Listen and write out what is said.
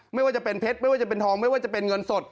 ไม่ว่าจะเป็นเพชรไม่ว่าจะเป็นทองไม่ว่าจะเป็นเงินสด